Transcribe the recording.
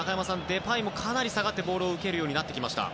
デパイもかなり下がってボールを受けるようになってきました。